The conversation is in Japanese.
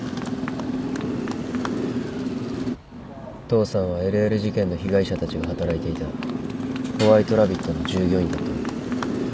父さんはＬＬ事件の被害者たちが働いていたホワイトラビットの従業員だったんだ。